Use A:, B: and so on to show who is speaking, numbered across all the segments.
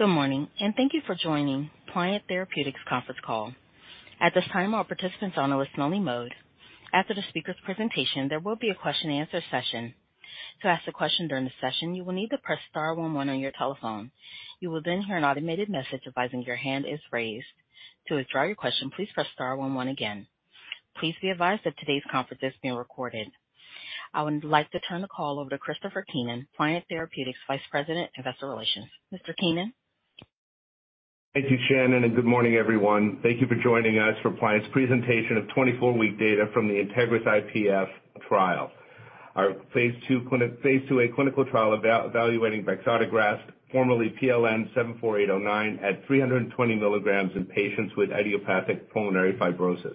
A: Good morning, and thank you for joining Pliant Therapeutics' conference call. At this time, all participants are on a listen only mode. After the speaker's presentation, there will be a question and answer session. To ask a question during the session, you will need to press star one one on your telephone. You will then hear an automated message advising your hand is raised. To withdraw your question, please press star one one again. Please be advised that today's conference is being recorded. I would like to turn the call over to Christopher Keenan, Pliant Therapeutics Vice President, Investor Relations. Mr. Keenan?
B: Thank you, Shannon. Good morning, everyone. Thank you for joining us for Pliant's presentation of 24-week data from the INTEGRIS-IPF trial. Our phase 2a clinical trial evaluating Bexotegrast, formerly PLN-74809, at 320 milligrams in patients with idiopathic pulmonary fibrosis.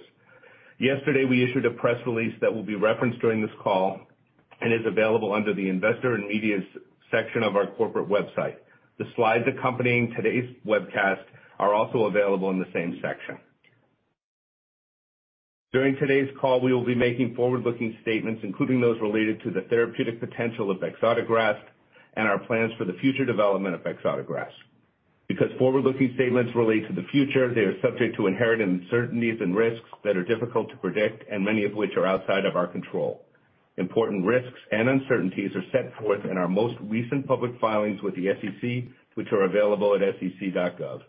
B: Yesterday, we issued a press release that will be referenced during this call and is available under the investor and media section of our corporate website. The slides accompanying today's webcast are also available in the same section. During today's call, we will be making forward-looking statements, including those related to the therapeutic potential of Bexotegrast and our plans for the future development of Bexotegrast. Because forward-looking statements relate to the future, they are subject to inherent uncertainties and risks that are difficult to predict and many of which are outside of our control. Important risks and uncertainties are set forth in our most recent public filings with the SEC, which are available at sec.gov.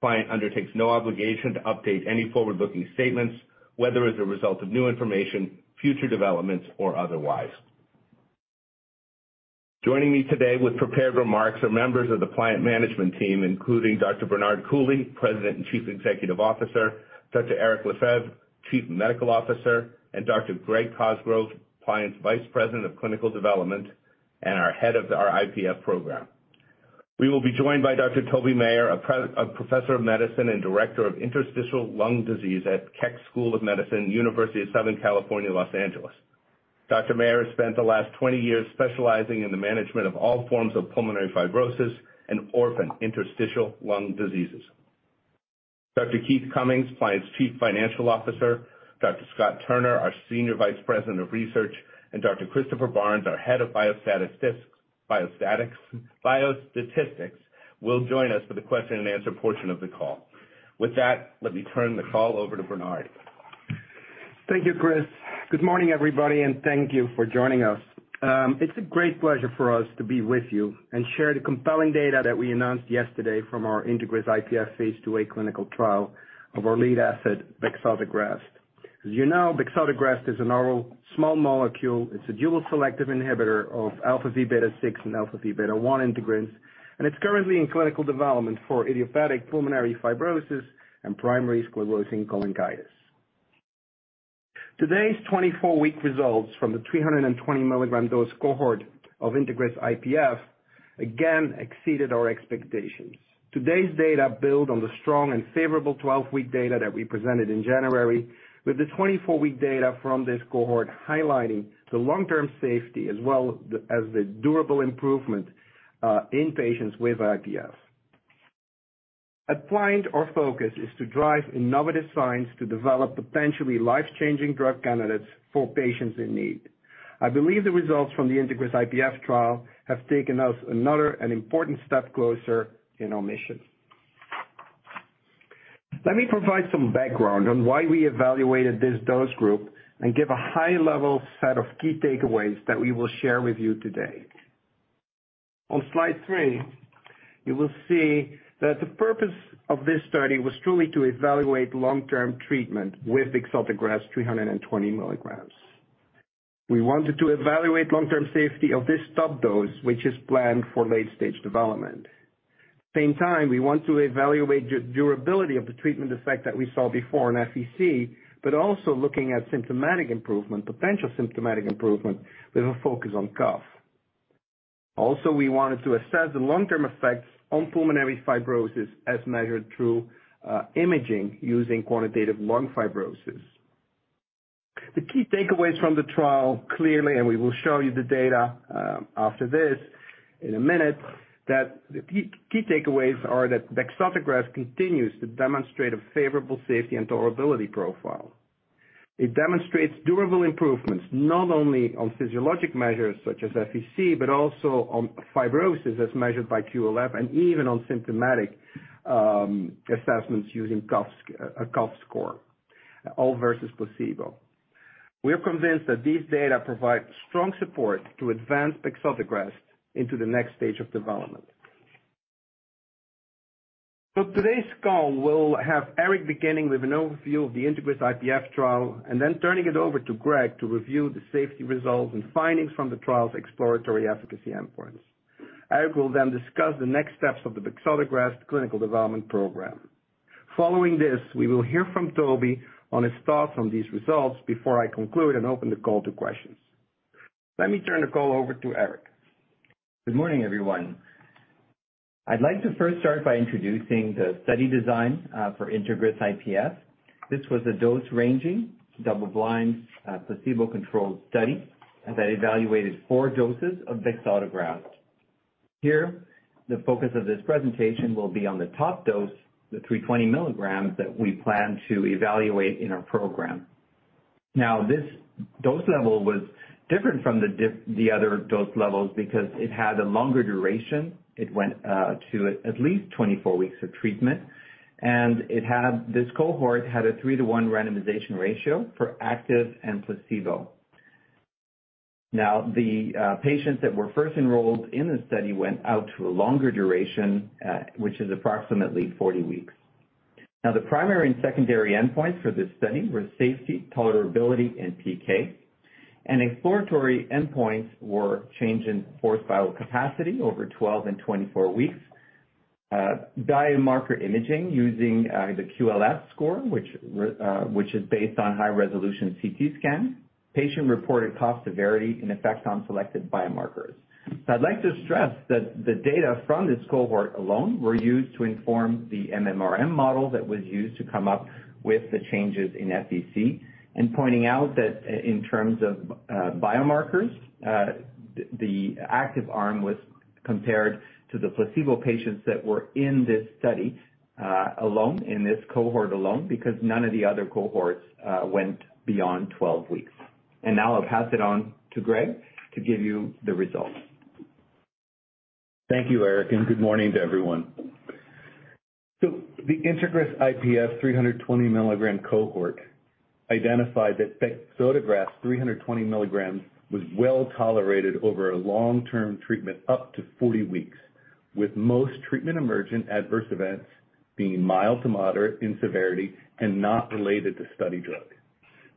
B: Pliant undertakes no obligation to update any forward-looking statements, whether as a result of new information, future developments or otherwise. Joining me today with prepared remarks are members of the Pliant management team, including Dr. Bernard Coulie, President and Chief Executive Officer, Dr. Eric Lefebvre, Chief Medical Officer, and Dr. Greg Cosgrove, Pliant's Vice President of Clinical Development and our Head of our IPF Program. We will be joined by Dr. Toby Maher, a Professor of Medicine and Director of Interstitial Lung Disease at Keck School of Medicine, University of Southern California, Los Angeles. Dr. Maher has spent the last 20 years specializing in the management of all forms of pulmonary fibrosis and orphan interstitial lung diseases. Dr. Keith Cummings, Pliant's Chief Financial Officer, Dr. Scott Turner, our Senior Vice President of Research, and Dr. Christopher Barnes, our Head of Biostatistics, will join us for the question and answer portion of the call. With that, let me turn the call over to Bernard.
C: Thank you, Chris. Good morning, everybody, and thank you for joining us. It's a great pleasure for us to be with you and share the compelling data that we announced yesterday from our INTEGRIS-IPF phase 2a clinical trial of our lead asset, Bexotegrast. As you know, Bexotegrast is an oral small molecule. It's a dual selective inhibitor of αvβ6 and αvβ1 integrins, and it's currently in clinical development for idiopathic pulmonary fibrosis and primary sclerosing cholangitis. Today's 24-week results from the 320 milligram dose cohort of INTEGRIS-IPF again exceeded our expectations. Today's data build on the strong and favorable 12-week data that we presented in January, with the 24-week data from this cohort highlighting the long-term safety as well as the durable improvement in patients with IPF. At Pliant, our focus is to drive innovative science to develop potentially life-changing drug candidates for patients in need. I believe the results from the INTEGRIS-IPF trial have taken us another and important step closer in our mission. Let me provide some background on why we evaluated this dose group and give a high-level set of key takeaways that we will share with you today. On slide three, you will see that the purpose of this study was truly to evaluate long-term treatment with Bexotegrast 320 mg. We wanted to evaluate long-term safety of this top dose, which is planned for late-stage development. Same time, we want to evaluate durability of the treatment effect that we saw before in FVC, but also looking at symptomatic improvement, potential symptomatic improvement with a focus on cough. We wanted to assess the long-term effects on pulmonary fibrosis as measured through imaging using quantitative lung fibrosis. The key takeaways from the trial, clearly, and we will show you the data after this in a minute, that the key takeaways are that Bexotegrast continues to demonstrate a favorable safety and tolerability profile. It demonstrates durable improvements, not only on physiologic measures such as FVC, but also on fibrosis as measured by QLF and even on symptomatic assessments using a cough score, all versus placebo. We are convinced that these data provide strong support to advance Bexotegrast into the next stage of development. Today's call will have Eric beginning with an overview of the INTEGRIS-IPF trial and then turning it over to Greg to review the safety results and findings from the trial's exploratory efficacy endpoints. Eric will discuss the next steps of the Bexotegrast clinical development program. Following this, we will hear from Toby on his thoughts on these results before I conclude and open the call to questions. Let me turn the call over to Eric.
A: Good morning, everyone. I'd like to first start by introducing the study design for INTEGRIS-IPF. This was a dose-ranging, double-blind, placebo-controlled study that evaluated four doses of Bexotegrast. Here, the focus of this presentation will be on the top dose, the 320 mg that we plan to evaluate in our program.
D: This dose level was different from the other dose levels because it had a longer duration. It went to at least 24 weeks of treatment, and this cohort had a 3-to-1 randomization ratio for active and placebo. The patients that were first enrolled in the study went out to a longer duration, which is approximately 40 weeks. The primary and secondary endpoints for this study were safety, tolerability, and PK. Exploratory endpoints were change in forced vital capacity over 12 and 24 weeks, biomarker imaging using the QLF score, which is based on high-resolution CT scan, patient-reported cough severity, and effect on selected biomarkers. I'd like to stress that the data from this cohort alone were used to inform the MMRM model that was used to come up with the changes in FVC. Pointing out that in terms of biomarkers, the active arm was compared to the placebo patients that were in this study alone, in this cohort alone, because none of the other cohorts went beyond 12 weeks. Now I'll pass it on to Greg to give you the results.
E: Thank you, Eric, and good morning to everyone. The INTEGRIS-IPF 320 milligram cohort identified that Bexotegrast 320 milligrams was well-tolerated over a long-term treatment up to 40 weeks, with most treatment-emergent adverse events being mild to moderate in severity and not related to study drug.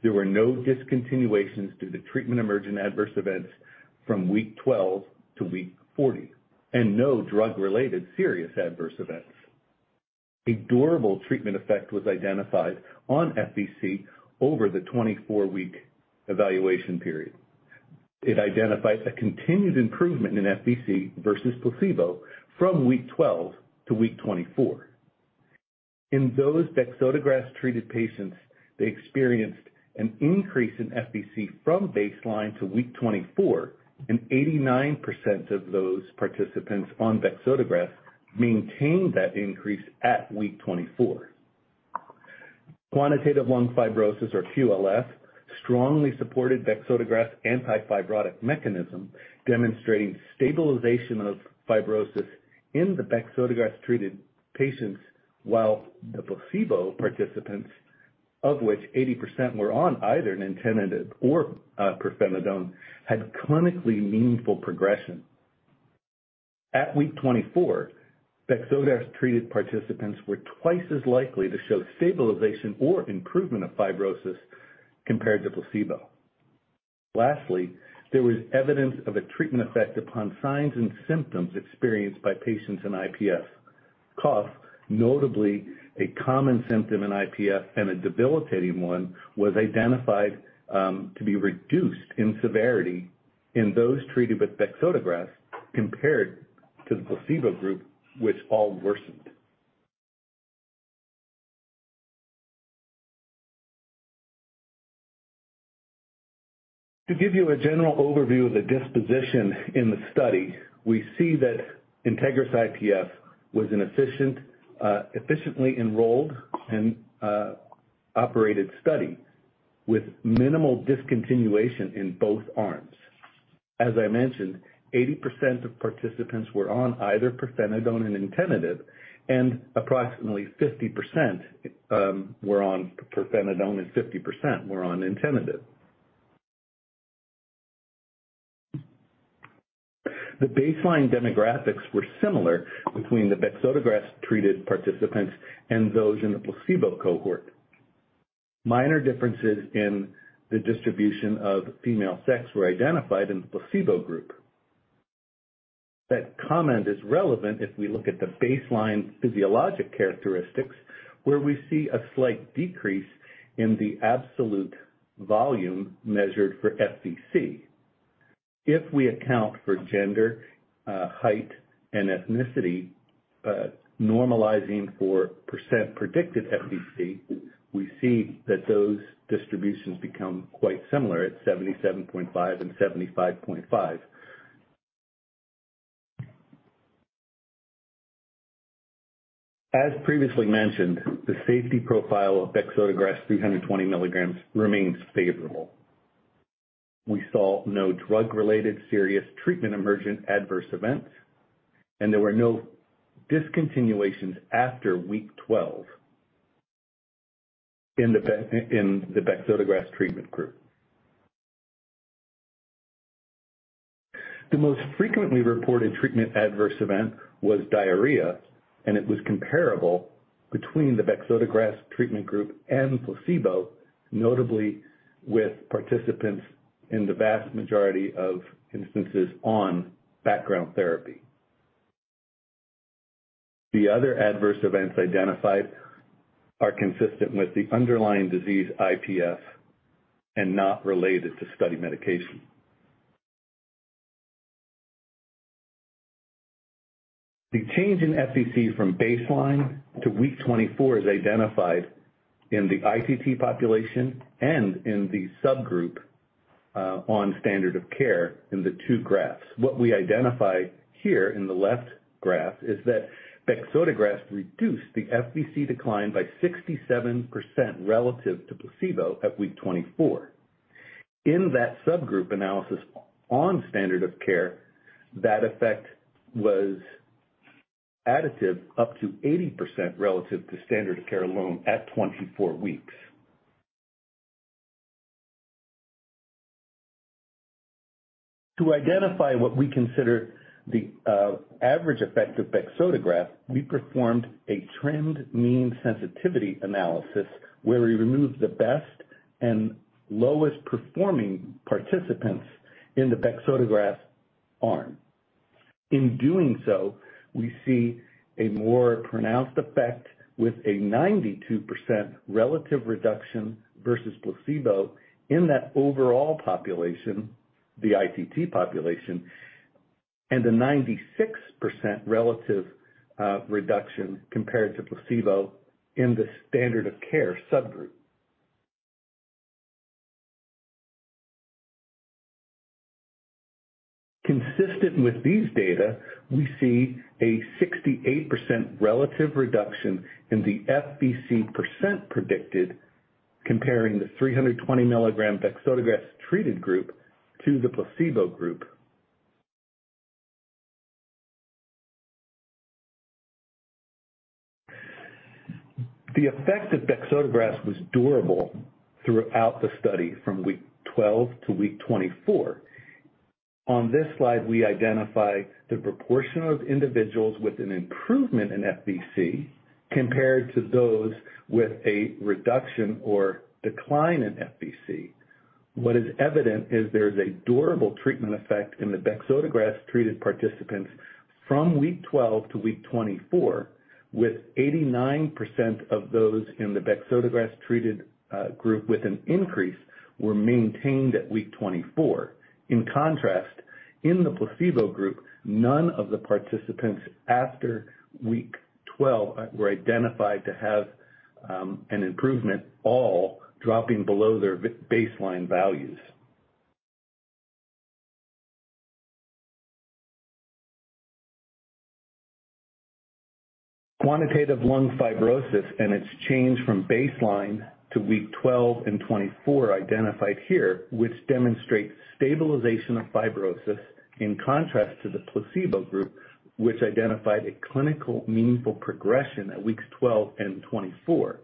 E: There were no discontinuations due to treatment-emergent adverse events from week 12 to week 40, and no drug-related serious adverse events. A durable treatment effect was identified on FVC over the 24 week evaluation period. It identifies a continued improvement in FVC versus placebo from week 12 to week 24. In those Bexotegrast-treated patients, they experienced an increase in FVC from baseline to week 24, and 89% of those participants on Bexotegrast maintained that increase at week 24. Quantitative lung fibrosis, or QLF, strongly supported Bexotegrast's anti-fibrotic mechanism, demonstrating stabilization of fibrosis in the Bexotegrast-treated patients while the placebo participants, of which 80% were on either nintedanib or pirfenidone, had clinically meaningful progression. At week 24, Bexotegrast-treated participants were twice as likely to show stabilization or improvement of fibrosis compared to placebo. Lastly, there was evidence of a treatment effect upon signs and symptoms experienced by patients in IPF. Cough, notably a common symptom in IPF and a debilitating one, was identified to be reduced in severity in those treated with Bexotegrast compared to the placebo group, which all worsened. To give you a general overview of the disposition in the study, we see that INTEGRIS-IPF was an efficient, efficiently enrolled and operated study with minimal discontinuation in both arms. As I mentioned, 80% of participants were on either pirfenidone and nintedanib, approximately 50% were on pirfenidone and 50% were on nintedanib. The baseline demographics were similar between the Bexotegrast-treated participants and those in the placebo cohort. Minor differences in the distribution of female sex were identified in the placebo group. That comment is relevant if we look at the baseline physiologic characteristics, where we see a slight decrease in the absolute volume measured for FVC. If we account for gender, height, and ethnicity, normalizing for percent predicted FVC, we see that those distributions become quite similar at 77.5 and 75.5. As previously mentioned, the safety profile of Bexotegrast 320 milligrams remains favorable. We saw no drug-related serious treatment emergent adverse events. There were no discontinuations after week 12 in the Bexotegrast treatment group. The most frequently reported treatment adverse event was diarrhea. It was comparable between the Bexotegrast treatment group and placebo, notably with participants in the vast majority of instances on background therapy. The other adverse events identified are consistent with the underlying disease IPF and not related to study medication. The change in FVC from baseline to week 24 is identified in the ITT population and in the subgroup on standard of care in the 2 graphs. What we identify here in the left graph is that Bexotegrast reduced the FVC decline by 67% relative to placebo at week 24. In that subgroup analysis on standard of care, that effect was additive up to 80% relative to standard of care alone at 24 weeks. To identify what we consider the average effect of Bexotegrast, we performed a trimmed mean sensitivity analysis where we removed the best and lowest performing participants in the Bexotegrast arm. In doing so, we see a more pronounced effect with a 92% relative reduction versus placebo in that overall population, the ITT population, and a 96% relative reduction compared to placebo in the standard of care subgroup. Consistent with these data, we see a 68% relative reduction in the FVC percent predicted comparing the 320 milligram Bexotegrast treated group to the placebo group. The effect of Bexotegrast was durable throughout the study from week 12 to week 24. On this slide, we identify the proportion of individuals with an improvement in FVC compared to those with a reduction or decline in FVC. What is evident is there's a durable treatment effect in the Bexotegrast-treated participants from week 12 to week 24, with 89% of those in the Bexotegrast-treated group with an increase were maintained at week 24. In contrast, in the placebo group, none of the participants after week 12 were identified to have an improvement, all dropping below their baseline values. Quantitative Lung Fibrosis and its change from baseline to week 12 and 24 identified here, which demonstrates stabilization of fibrosis in contrast to the placebo group, which identified a clinical meaningful progression at weeks 12 and 24.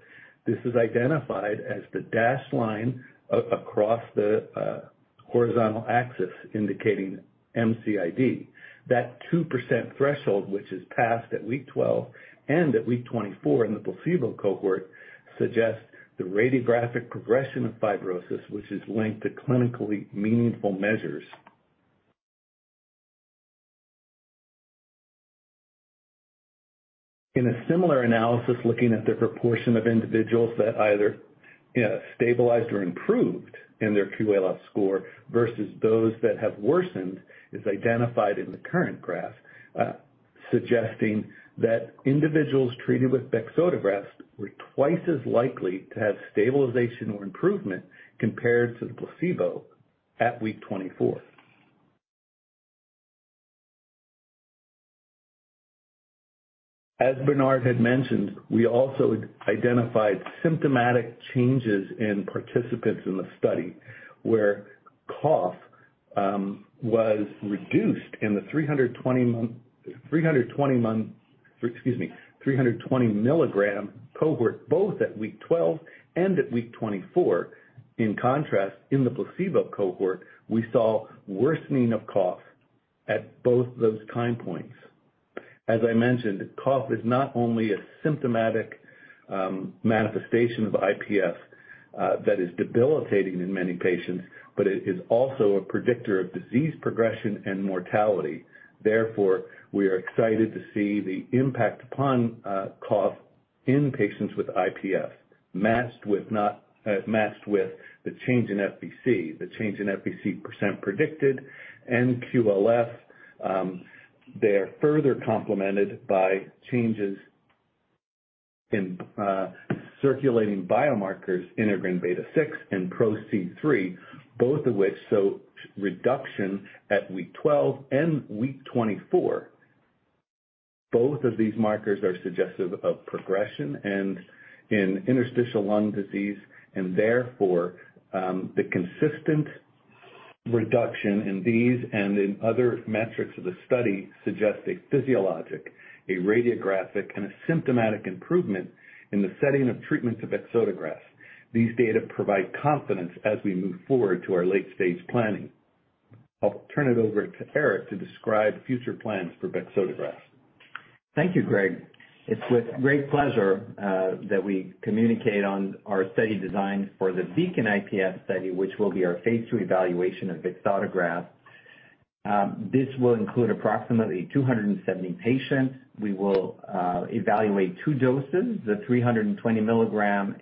E: This is identified as the dashed line across the horizontal axis indicating MCID. That 2% threshold, which is passed at week 12 and at week 24 in the placebo cohort, suggests the radiographic progression of fibrosis, which is linked to clinically meaningful measures. In a similar analysis looking at the proportion of individuals that either, you know, stabilized or improved in their QL. score versus those that have worsened is identified in the current graph, suggesting that individuals treated with Bexotegrast were twice as likely to have stabilization or improvement compared to the placebo at week 24. As Bernard had mentioned, we also identified symptomatic changes in participants in the study where cough was reduced in the 320 milligram cohort, both at week 12 and at week 24. In contrast, in the placebo cohort, we saw worsening of cough at both those time points. As I mentioned, cough is not only a symptomatic manifestation of IPF, that is debilitating in many patients, but it is also a predictor of disease progression and mortality. Therefore, we are excited to see the impact upon cough in patients with IPF matched with the change in FVC. The change in FVC percent predicted and QLF, they are further complemented by changes in circulating biomarkers integrin beta six and PRO-C3, both of which show reduction at week 12 and week 24. Both of these markers are suggestive of progression and in interstitial lung disease and therefore, the consistent reduction in these and in other metrics of the study suggest a physiologic, a radiographic, and a symptomatic improvement in the setting of treatment of Bexotegrast. These data provide confidence as we move forward to our late-stage planning. I'll turn it over to Éric to describe future plans for Bexotegrast.
D: Thank you, Greg. It's with great pleasure that we communicate on our study designs for the BEACON-IPF study, which will be our phase 2 evaluation of Bexotegrast. This will include approximately 270 patients. We will evaluate two doses, the 320 milligram,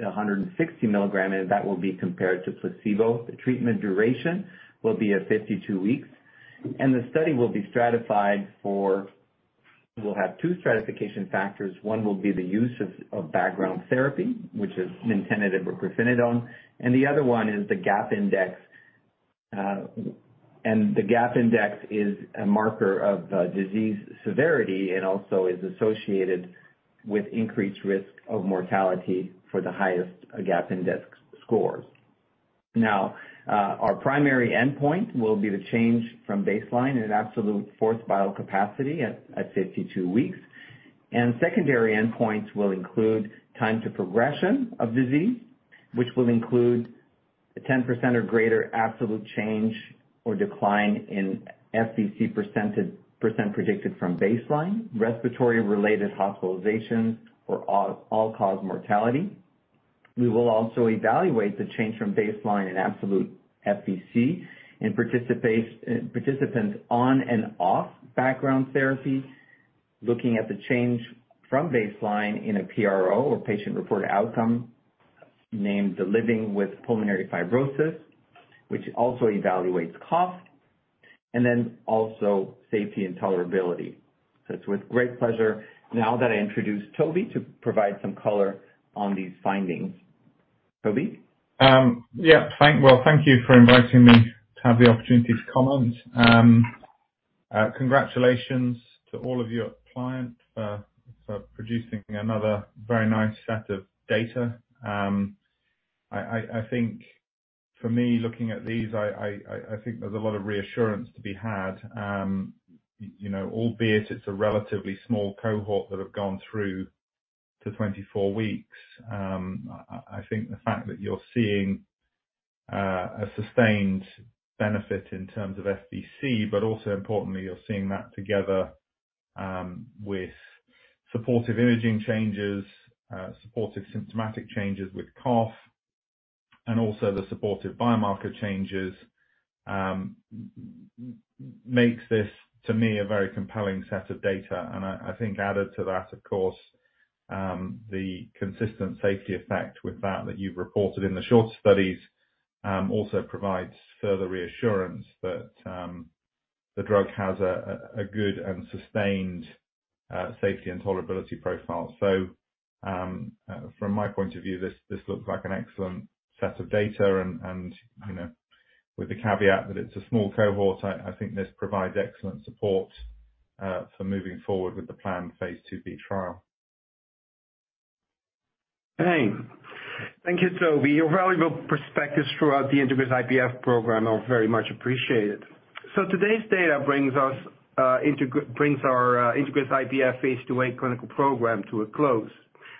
D: the 160 milligram, and that will be compared to placebo. The treatment duration will be at 52 weeks, We'll have two stratification factors. One will be the use of background therapy, which is nintedanib or pirfenidone, and the other one is the GAP index. The GAP index is a marker of disease severity and also is associated with increased risk of mortality for the highest GAP index scores. Our primary endpoint will be the change from baseline in an absolute forced vital capacity at 52 weeks. Secondary endpoints will include time to progression of disease, which will include a 10% or greater absolute change or decline in FVC percent predicted from baseline, respiratory-related hospitalizations or all-cause mortality. We will also evaluate the change from baseline in absolute FVC in participants on and off background therapy, looking at the change from baseline in a PRO, or patient-reported outcome, named the Living with Pulmonary Fibrosis, which also evaluates cost, and then also safety and tolerability. It's with great pleasure now that I introduce Toby to provide some color on these findings. Toby?
F: Yeah. Well, thank you for inviting me to have the opportunity to comment. Congratulations to all of your clients for producing another very nice set of data. I think for me, looking at these, I think there's a lot of reassurance to be had. You know, albeit it's a relatively small cohort that have gone through to 24 weeks, I think the fact that you're seeing a sustained benefit in terms of FVC, but also importantly, you're seeing that together with supportive imaging changes, supportive symptomatic changes with cough and also the supportive biomarker changes, makes this, to me, a very compelling set of data. I think added to that, of course, the consistent safety effect with that that you've reported in the short studies, also provides further reassurance that the drug has a good and sustained safety and tolerability profile. From my point of view, this looks like an excellent set of data. You know, with the caveat that it's a small cohort, I think this provides excellent support for moving forward with the planned phase 2b trial.
D: Thanks. Thank you, Toby. Your valuable perspectives throughout the INTEGRIS-IPF program are very much appreciated. Today's data brings our INTEGRIS-IPF phase 2a clinical program to a close.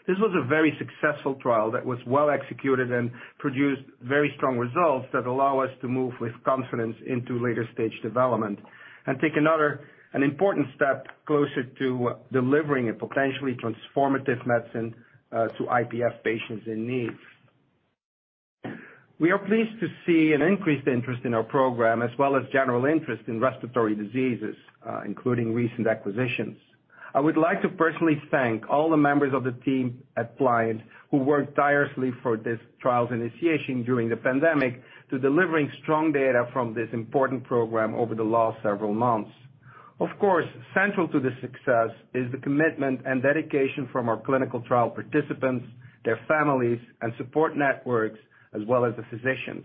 D: This was a very successful trial that was well executed and produced very strong results that allow us to move with confidence into later stage development and take another, an important step closer to delivering a potentially transformative medicine to IPF patients in need. We are pleased to see an increased interest in our program, as well as general interest in respiratory diseases, including recent acquisitions. I would like to personally thank all the members of the team at Pliant who worked tirelessly for this trial's initiation during the pandemic to delivering strong data from this important program over the last several months. Of course, central to this success is the commitment and dedication from our clinical trial participants, their families and support networks, as well as the physicians.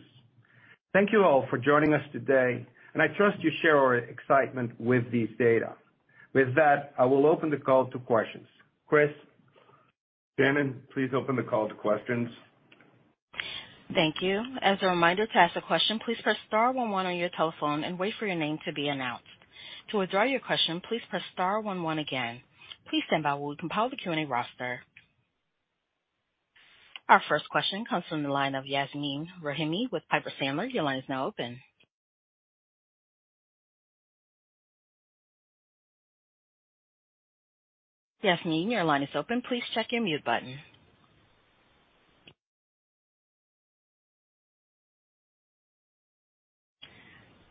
D: Thank you all for joining us today. I trust you share our excitement with these data. With that, I will open the call to questions. Chris?
B: Shannon, please open the call to questions.
A: Thank you. As a reminder, to ask a question, please press star one one on your telephone and wait for your name to be announced. To withdraw your question, please press star one one again. Please stand by while we compile the Q&A roster. Our first question comes from the line of Yasmeen Rahimi with Piper Sandler. Your line is now open. Yasmeen, your line is open. Please check your mute button.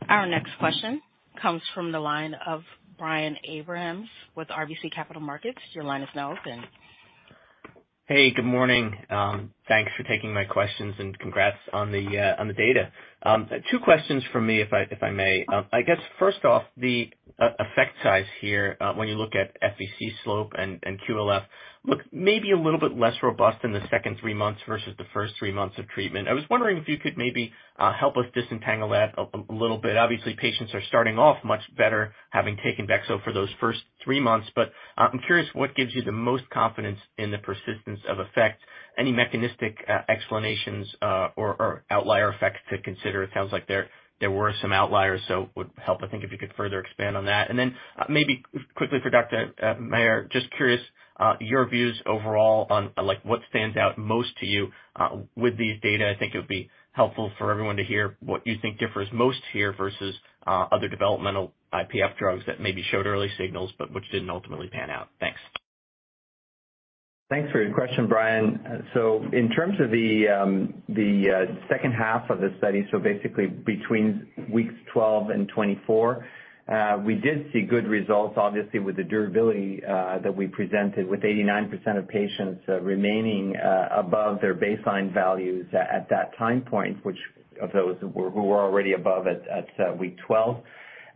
A: Our next question comes from the line of Brian Abrahams with RBC Capital Markets. Your line is now open.
G: Hey, good morning. Thanks for taking my questions and congrats on the data. 2 questions from me, if I may. I guess, first off, the e-effect size here, when you look at FVC slope and QLF, look maybe a little bit less robust in the second 3 months versus the first 3 months of treatment. I was wondering if you could maybe help us disentangle that a little bit. Obviously, patients are starting off much better having taken Bexo for those first 3 months. I'm curious what gives you the most confidence in the persistence of effect? Any mechanistic explanations, or outlier effects to consider? It sounds like there were some outliers, so it would help, I think, if you could further expand on that. Maybe quickly for Dr. Maher, just curious, your views overall on, like, what stands out most to you with these data. I think it would be helpful for everyone to hear what you think differs most here versus other developmental IPF drugs that maybe showed early signals but which didn't ultimately pan out. Thanks.
D: Thanks for your question, Brian. In terms of the second half of the study, basically between weeks 12 and 24, we did see good results, obviously, with the durability that we presented, with 89% of patients remaining above their baseline values at that time point, which of those were, who were already above it at week 12.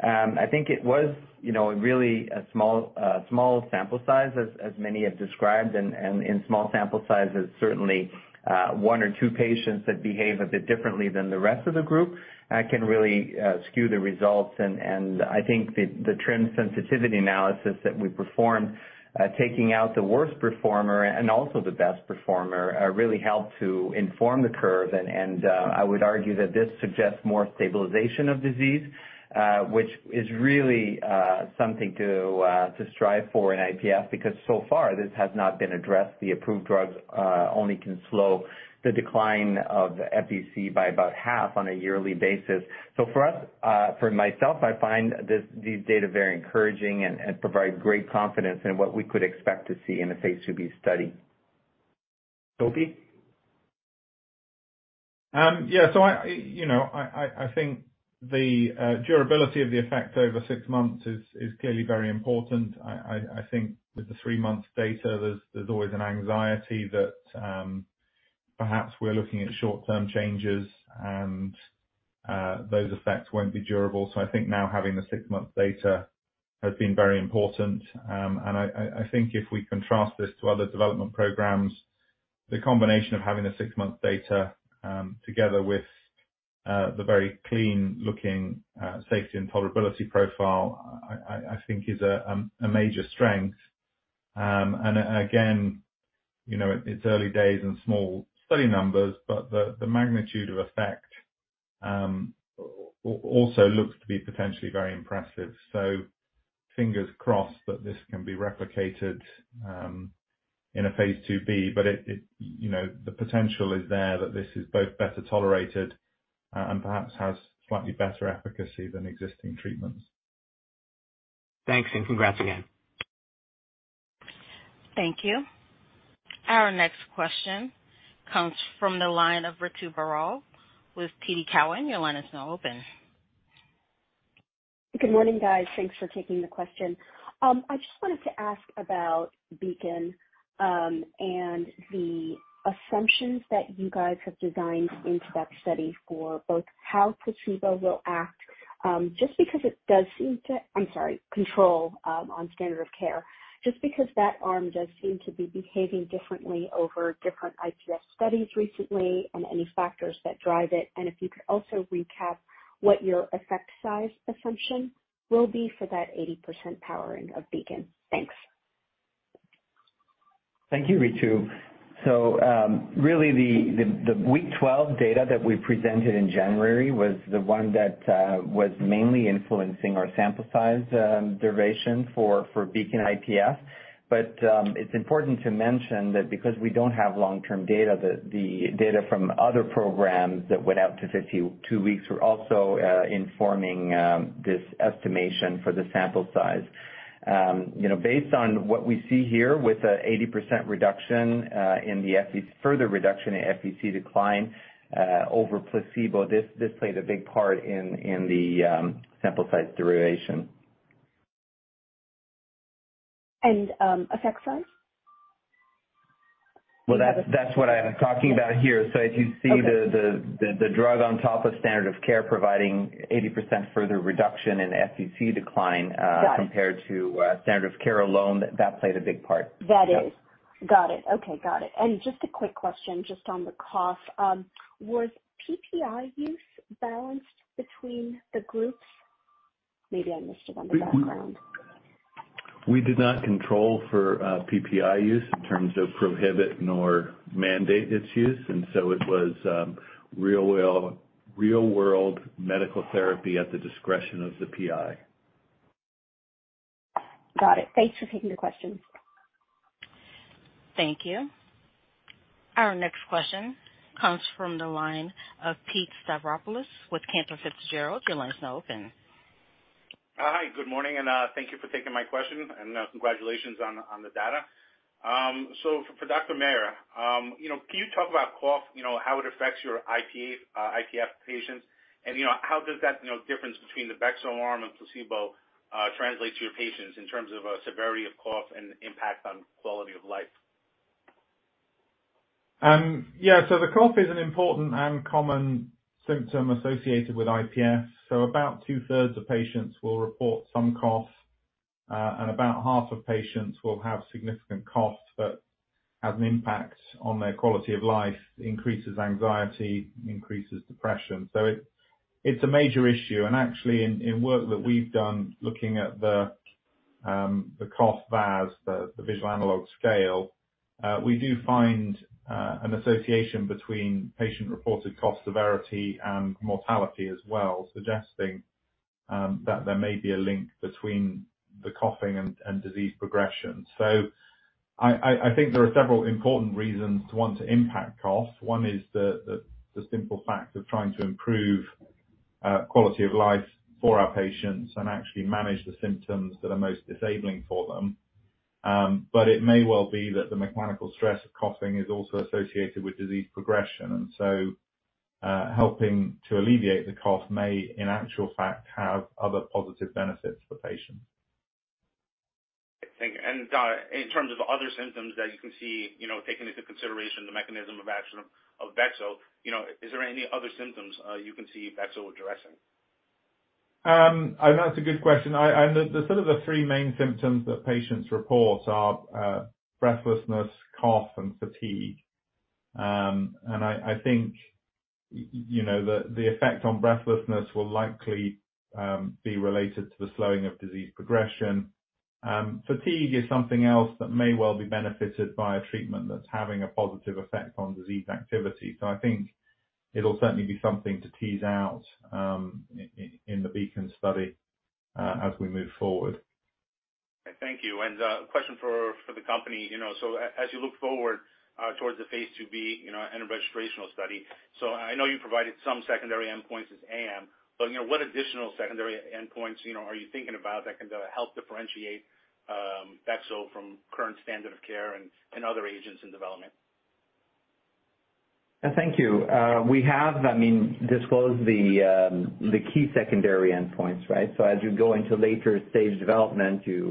D: I think it was, you know, really a small sample size as many have described. In small sample sizes, certainly, 1 or 2 patients that behave a bit differently than the rest of the group can really skew the results. I think the trend sensitivity analysis that we performed, taking out the worst performer and also the best performer, really helped to inform the curve. I would argue that this suggests more stabilization of disease, which is really something to strive for in IPF because so far this has not been addressed. The approved drugs only can slow the decline of FVC by about half on a yearly basis. For us, for myself, I find these data very encouraging and provide great confidence in what we could expect to see in a phase 2b study.
B: Toby?
F: Yeah. I, you know, I think the durability of the effect over 6 months is clearly very important. I think with the 3-month data, there's always an anxiety that perhaps we're looking at short-term changes and those effects won't be durable. I think now having the 6-month data has been very important. I think if we contrast this to other development programs, the combination of having the 6-month data together with the very clean looking safety and tolerability profile, I think is a major strength. Again, you know, it's early days and small study numbers, but the magnitude of effect also looks to be potentially very impressive. Fingers crossed that this can be replicated in a phase 2b. It, you know, the potential is there that this is both better tolerated and perhaps has slightly better efficacy than existing treatments.
B: Thanks, and congrats again.
A: Thank you. Our next question comes from the line of Ritu Baral with TD Cowen. Your line is now open.
H: Good morning, guys. Thanks for taking the question. I just wanted to ask about BEACON and the assumptions that you guys have designed into that study for both how placebo will act, just because it does seem to... I'm sorry, control on standard of care, just because that arm does seem to be behaving differently over different IPF studies recently and any factors that drive it. If you could also recap what your effect size assumption will be for that 80% powering of BEACON. Thanks.
D: Thank you, Ritu. Really the week 12 data that we presented in January was the one that was mainly influencing our sample size duration for BEACON-IPF. It's important to mention that because we don't have long-term data, the data from other programs that went out to 52 weeks were also informing this estimation for the sample size. You know, based on what we see here with an 80% reduction in further reduction in FVC decline over placebo, this played a big part in the sample size duration.
H: Effect size?
D: Well, that's what I'm talking about here.
H: Okay.
D: If you see the drug on top of standard of care providing 80% further reduction in FVC decline.
H: Got it.
D: compared to standard of care alone, that played a big part.
H: That is.
D: Yeah.
H: Got it. Okay. Got it. Just a quick question just on the cough. Was PPI use balanced between the groups? Maybe I missed it on the background.
E: We did not control for, PPI use in terms of prohibit nor mandate its use, and so it was real-world medical therapy at the discretion of the PI.
H: Got it. Thanks for taking the question.
A: Thank you. Our next question comes from the line of Pete Stavropoulos with Cantor Fitzgerald. Your line is now open.
I: Hi. Good morning, and thank you for taking my question, and congratulations on the data. So for Dr. Mehra, you know, can you talk about cough, you know, how it affects your IPF patients? You know, how does that, you know, difference between the Bexotegrast and placebo translate to your patients in terms of severity of cough and impact on quality of life?
F: Yeah. The cough is an important and common symptom associated with IPF. About two-thirds of patients will report some cough, and about half of patients will have significant cough that has an impact on their quality of life, increases anxiety, increases depression. It's a major issue. Actually in work that we've done looking at the cough VAS, the visual analog scale, we do find an association between patient-reported cough severity and mortality as well, suggesting that there may be a link between the coughing and disease progression. I think there are several important reasons to want to impact cough. One is the simple fact of trying to improve quality of life for our patients and actually manage the symptoms that are most disabling for them. It may well be that the mechanical stress of coughing is also associated with disease progression, and so, helping to alleviate the cough may in actual fact have other positive benefits for patients.
I: Thank you. In terms of other symptoms that you can see, you know, taking into consideration the mechanism of action of Bexo, you know, is there any other symptoms, you can see Bexo addressing?
D: That's a good question. I, and the sort of the three main symptoms that patients report are breathlessness, cough, and fatigue. I think, you know, the effect on breathlessness will likely be related to the slowing of disease progression. Fatigue is something else that may well be benefited by a treatment that's having a positive effect on disease activity. I think it'll certainly be something to tease out in the BEACON study as we move forward.
I: Thank you. Question for the company. You know, as you look forward, towards the phase 2b, you know, and a registrational study, I know you provided some secondary endpoints as AM. You know, what additional secondary endpoints, you know, are you thinking about that can help differentiate Bexo from current standard of care and other agents in development?
D: Yeah. Thank you. We have, I mean, disclosed the key secondary endpoints, right? As you go into later stage development, you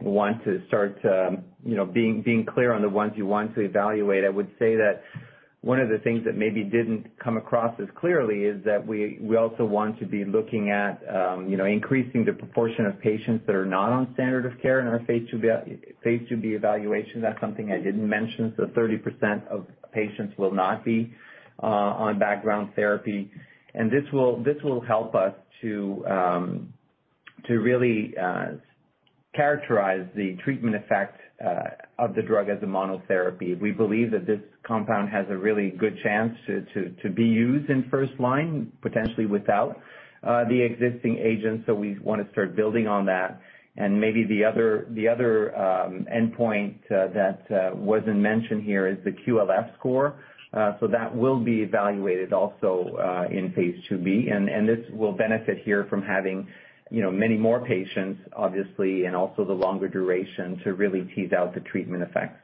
D: want to start to, you know, being clear on the ones you want to evaluate. I would say that one of the things that maybe didn't come across as clearly is that we also want to be looking at, you know, increasing the proportion of patients that are not on standard of care in our phase 2b evaluation. That's something I didn't mention. 30% of patients will not be on background therapy. This will help us to really characterize the treatment effect of the drug as a monotherapy. We believe that this compound has a really good chance to be used in first line, potentially without the existing agents. We wanna start building on that. Maybe the other endpoint that wasn't mentioned here is the QLF score. That will be evaluated also in phase IIb. This will benefit here from having, you know, many more patients, obviously, and also the longer duration to really tease out the treatment effects.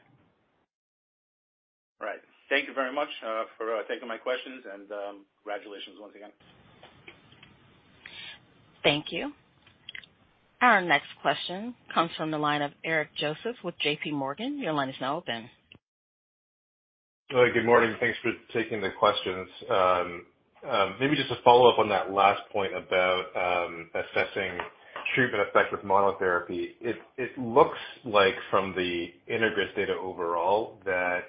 I: Thank you very much for taking my questions and congratulations once again.
A: Thank you. Our next question comes from the line of Eric Joseph with J.P. Morgan. Your line is now open.
J: Good morning. Thanks for taking the questions. Maybe just a follow-up on that last point about assessing treatment effect with monotherapy. It looks like from the INTEGRIS data overall that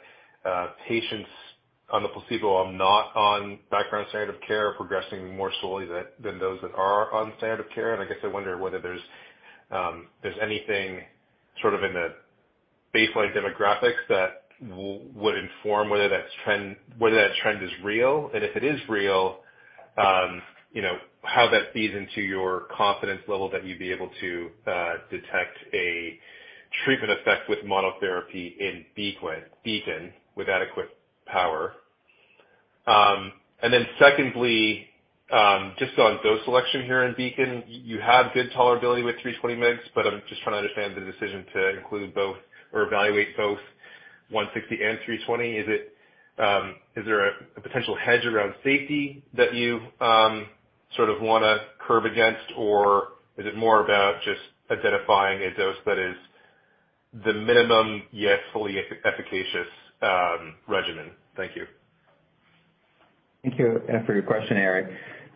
J: patients on the placebo are not on background standard of care progressing more slowly than those that are on standard of care. I guess I wonder whether there's anything sort of in the baseline demographics that would inform whether that trend is real, and if it is real, you know, how that feeds into your confidence level that you'd be able to detect a treatment effect with monotherapy in BEACON with adequate power. Secondly, just on dose selection here in BEACON, you have good tolerability with 320 mg, but I'm just trying to understand the decision to include both or evaluate both 160 and 320. Is it, is there a potential hedge around safety that you sort of wanna curve against, or is it more about just identifying a dose that is the minimum yet fully efficacious regimen? Thank you.
D: Thank you for your question, Eric.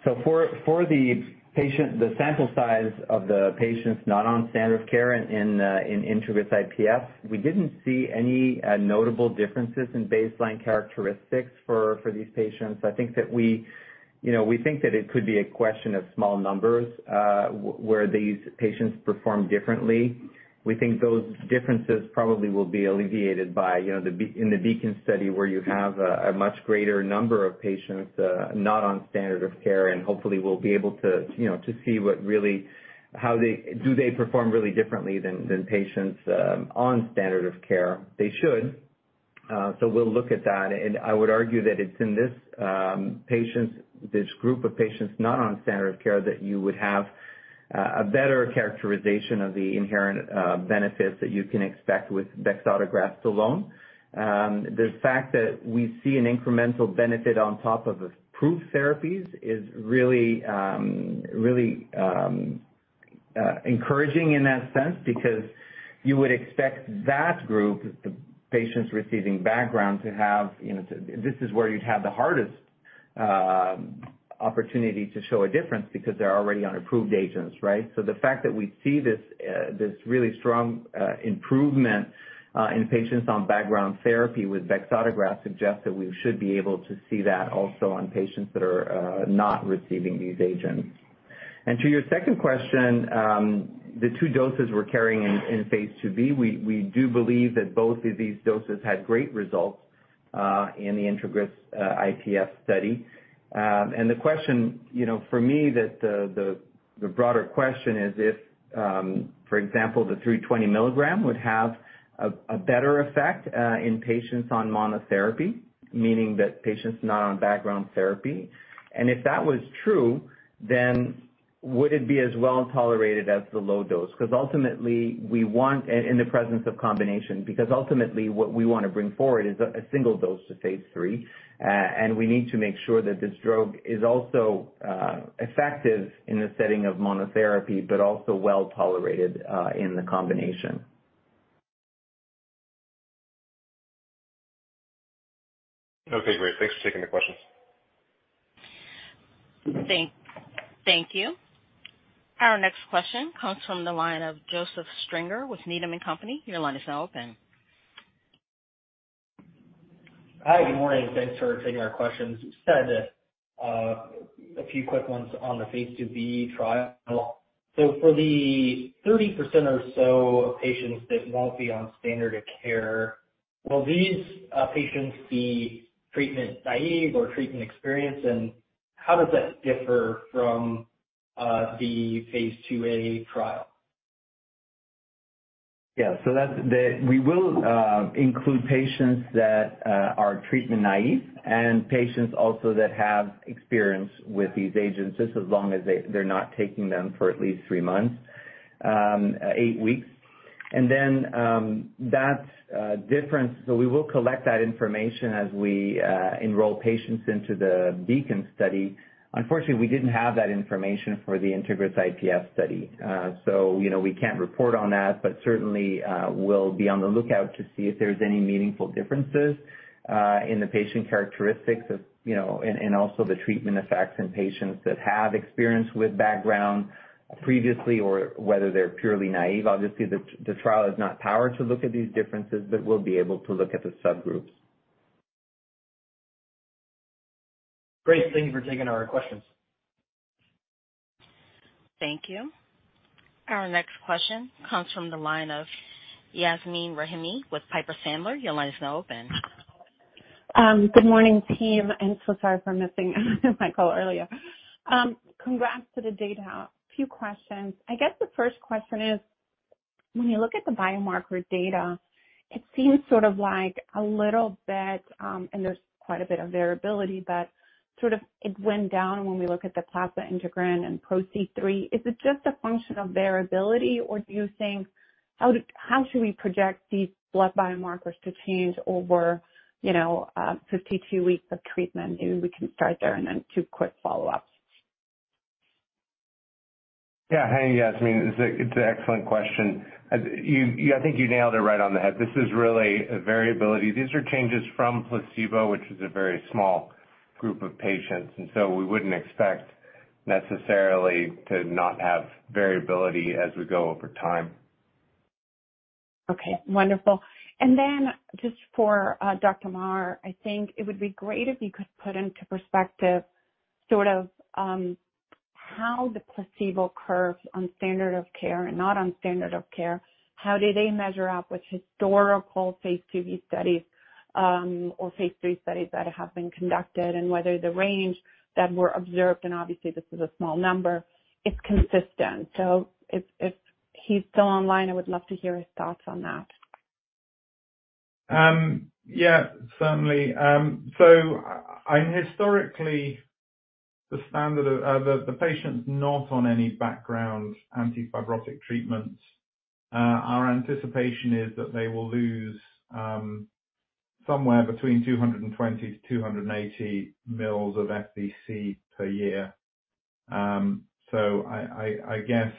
D: For the patient, the sample size of the patients not on standard of care in INTEGRIS-IPF, we didn't see any notable differences in baseline characteristics for these patients. I think that we, you know, we think that it could be a question of small numbers, where these patients perform differently. We think those differences probably will be alleviated by, you know, the BEACON study where you have a much greater number of patients not on standard of care, and hopefully we'll be able to, you know, to see what really, how they do they perform really differently than patients on standard of care? They should. We'll look at that. I would argue that it's in this patients, this group of patients not on standard of care that you would have a better characterization of the inherent benefits that you can expect with Bexotegrast alone. The fact that we see an incremental benefit on top of approved therapies is really, really encouraging in that sense because you would expect that group, the patients receiving background, to have, you know, This is where you'd have the hardest opportunity to show a difference because they're already on approved agents, right? The fact that we see this really strong improvement in patients on background therapy with Bexotegrast suggests that we should be able to see that also on patients that are not receiving these agents. To your second question, the two doses we're carrying in Phase 2b, we do believe that both of these doses had great results in the INTEGRIS IPF study. The question, you know, for me that the broader question is if, for example, the 320 milligram would have a better effect in patients on monotherapy, meaning that patients not on background therapy. If that was true, would it be as well tolerated as the low dose? 'Cause ultimately, we want the presence of combination. Ultimately, what we wanna bring forward is a single dose to Phase 3. We need to make sure that this drug is also effective in the setting of monotherapy, but also well tolerated in the combination.
B: Okay, great. Thanks for taking the questions.
A: Thank you. Our next question comes from the line of Joseph Stringer with Needham & Company. Your line is now open.
K: Hi, good morning. Thanks for taking our questions. Just had a few quick ones on the phase 2b trial. For the 30% or so of patients that won't be on standard of care, will these patients be treatment naive or treatment experienced? How does that differ from the phase 2a trial?
D: Yeah. That's the we will include patients that are treatment naive and patients also that have experience with these agents, just as long as they're not taking them for at least three months, eight weeks. That's different. We will collect that information as we enroll patients into the Beacon study. Unfortunately, we didn't have that information for the Integris IPF study. You know, we can't report on that, but certainly, we'll be on the lookout to see if there's any meaningful differences in the patient characteristics of, you know, and also the treatment effects in patients that have experience with background previously or whether they're purely naive. Obviously, the trial is not powered to look at these differences, but we'll be able to look at the subgroups.
K: Great. Thank you for taking our questions.
A: Thank you. Our next question comes from the line of Yasmeen Rahimi with Piper Sandler. Your line is now open.
L: Good morning, team, and so sorry for missing my call earlier. Congrats to the data. A few questions. I guess the first question is, when you look at the biomarker data, it seems sort of like a little bit, and there's quite a bit of variability, but sort of it went down when we look at the plasma integrin and PRO-C3. Is it just a function of variability, or do you think how should we project these blood biomarkers to change over, you know, 52 weeks of treatment? Maybe we can start there and then two quick follow-ups.
B: Yeah. Hey, Yasmeen. It's an excellent question. As you I think you nailed it right on the head. This is really a variability. These are changes from placebo, which is a very small group of patients, and so we wouldn't expect necessarily to not have variability as we go over time.
L: Okay, wonderful. Then just for Dr. Marr, I think it would be great if you could put into perspective sort of how the placebo curves on standard of care and not on standard of care. How do they measure up with historical phase 2b studies or phase 3 studies that have been conducted, and whether the range that were observed, and obviously this is a small number, is consistent. If he's still online, I would love to hear his thoughts on that.
F: Yeah, certainly. I historically the standard of the patients not on any background antifibrotic treatment, our anticipation is that they will lose somewhere between 220 to 280 mils of FVC per year. I guess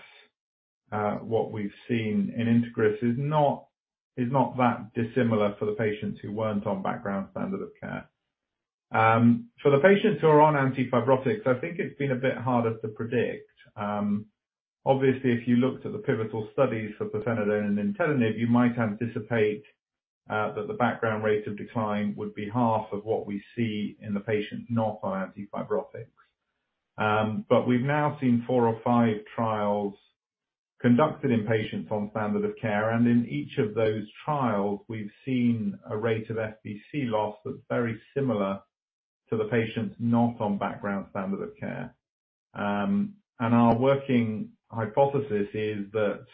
F: what we've seen in Integris is not that dissimilar for the patients who weren't on background standard of care. For the patients who are on antifibrotics, I think it's been a bit harder to predict. If you looked at the pivotal studies for pirfenidone and nintedanib, you might anticipate that the background rate of decline would be half of what we see in the patients not on antifibrotics. We've now seen 4 or 5 trials conducted in patients on standard of care, and in each of those trials, we've seen a rate of FVC loss that's very similar to the patients not on background standard of care. Our working hypothesis is that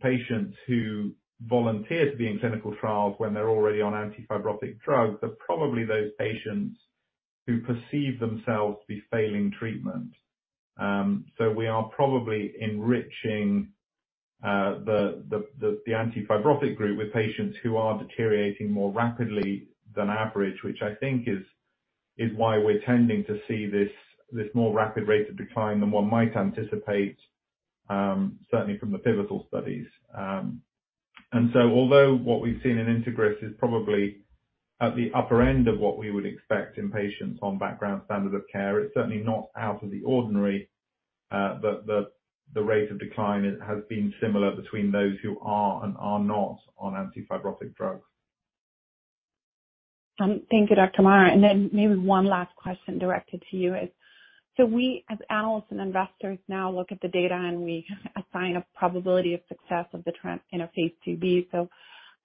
F: patients who volunteer to be in clinical trials when they're already on antifibrotic drugs are probably those patients who perceive themselves to be failing treatment. We are probably enriching the antifibrotic group with patients who are deteriorating more rapidly than average, which I think is why we're tending to see this more rapid rate of decline than one might anticipate certainly from the pivotal studies. Although what we've seen in INTEGRIS is probably at the upper end of what we would expect in patients on background standard of care, it's certainly not out of the ordinary that the rate of decline has been similar between those who are and are not on antifibrotic drugs.
L: Thank you, Dr. Marr. Maybe one last question directed to you is. We as analysts and investors now look at the data, and we assign a probability of success of the trend in a phase 2b.